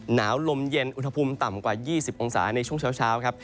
หนาวลมเย็นอุณหภูมิต่ำกว่า๒๐องศาในช่วงเช้าครับ